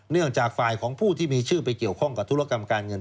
จากฝ่ายของผู้ที่มีชื่อไปเกี่ยวข้องกับธุรกรรมการเงิน